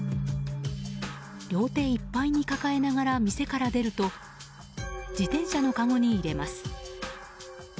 両手いっぱいに抱えながら店から出ると自転車のかごに入れます。